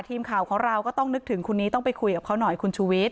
ทีมข่าวของเราก็ต้องนึกถึงคนนี้ต้องไปคุยกับเขาหน่อยคุณชูวิทย